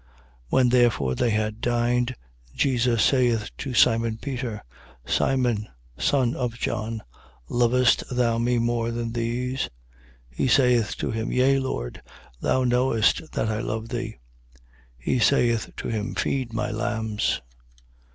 21:15. When therefore they had dined, Jesus saith to Simon Peter: Simon, son of John, lovest thou me more than these? He saith to him: Yea, Lord, thou knowest that I love thee. He saith to him: Feed my lambs.